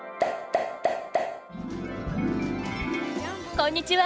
こんにちは。